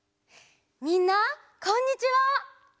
みんなこんにちは！